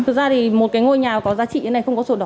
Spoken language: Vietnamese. thực ra thì một cái ngôi nhà có giá trị như này không có sổ đỏ